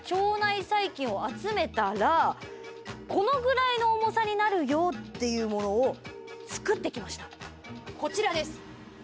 このぐらいの重さになるよっていうものを作って来ましたこちらです。